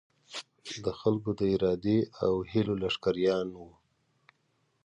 د خلکو د ارادې او هیلو لښکریان وو.